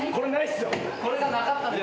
これがなかったです。